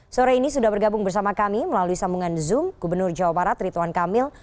sore ini sudah bergabung bersama kami melalui sambungan zoom gubernur jawa barat rituan kamil